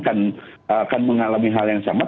akan mengalami hal yang sama